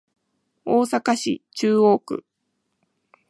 大阪市中央区